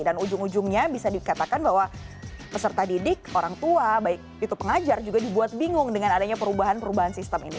dan ujung ujungnya bisa dikatakan bahwa peserta didik orang tua baik itu pengajar juga dibuat bingung dengan adanya perubahan sistem ini